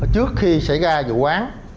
trước khi xảy ra vụ án